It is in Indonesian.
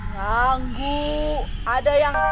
ganggu ada yang